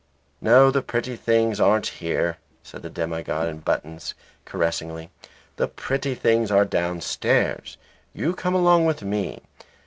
"No, the pretty things aren't here," said the demi god in buttons, caressingly. "The pretty things are downstairs. You come along with me.